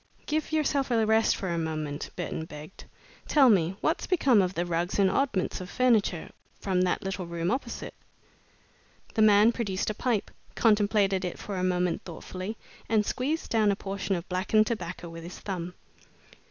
"Give yourself a rest for a moment," Burton begged. "Tell me, what's become of the rugs and oddments of furniture from that little room opposite?" The man produced a pipe, contemplated it for a moment thoughtfully, and squeezed down a portion of blackened tobacco with his thumb.